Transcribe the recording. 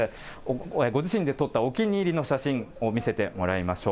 ご自身で撮ったお気に入りの写真を見せてもらいましょう。